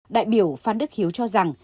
đại biểu phan đức hiếu cho rằng